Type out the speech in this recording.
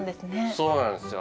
そうなんですよ。